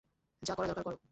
যা করা দরকার করো।